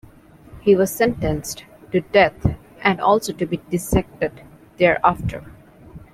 He was sentenced to death and also to be dissected thereafter.